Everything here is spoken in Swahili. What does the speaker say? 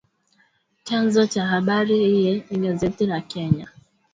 Chanzo cha habari hii ni gazeti la Kenya